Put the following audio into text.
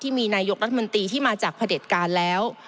ที่มีนายกรัฐมนตรีที่มาจากประเด็ดการณ์แล้ว